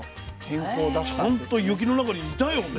ちゃんと雪の中にいたよね。